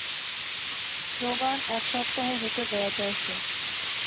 সোগান এক সপ্তাহের ভেতর বেড়াতে আসবে।